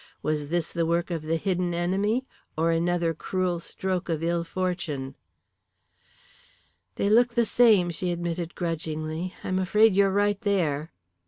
Was this the work of the hidden enemy or another cruel stroke of ill fortune? "They look like the same," she admitted grudgingly. "I'm afraid you're right there."